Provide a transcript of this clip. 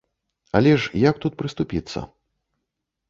Але ж як тут прыступіцца.